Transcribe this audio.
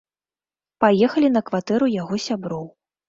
Паехалі на кватэру яго сяброў.